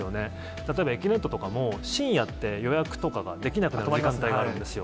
例えば、えきねっととかも、深夜とかって、予約できない時間帯があるんですよ。